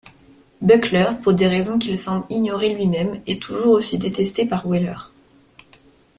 Buckler, pour des raisons qu'il semble ignorer lui-même, est toujours aussi détesté par Weller.